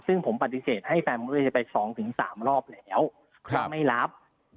ซึ่งผมปฏิเสธให้แฟนมันไปสองถึงสามรอบแล้วเขาไม่รับ